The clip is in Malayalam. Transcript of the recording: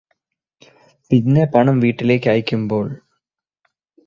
പിന്നെ പണം വീട്ടിലേക്ക് അയക്കുമ്പോൾ